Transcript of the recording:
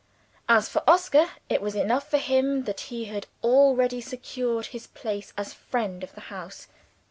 As for Oscar, it was enough for him that he had already secured his place as friend of the house.